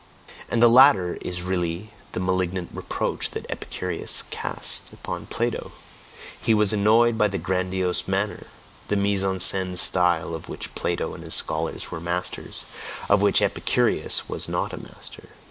And the latter is really the malignant reproach that Epicurus cast upon Plato: he was annoyed by the grandiose manner, the mise en scene style of which Plato and his scholars were masters of which Epicurus was not a master!